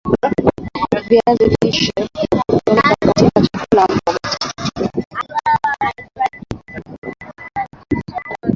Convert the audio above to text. viazi lishe hutumika kama chakula na mboga